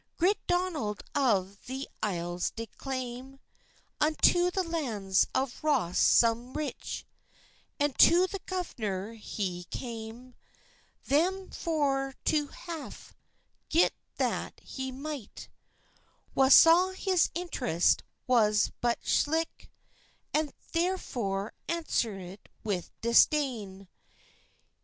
Grit Donald of the Ysles did claim Unto the lands of Ross sum richt, And to the governour he came, Them for to haif, gif that he micht, Wha saw his interest was but slicht, And thairfore answerit with disdain.